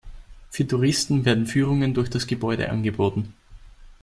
Für Touristen werden Führungen durch das Gebäude angeboten.